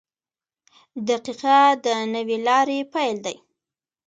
• دقیقه د نوې لارې پیل دی.